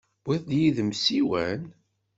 Tewwiḍ yid-m ssiwan?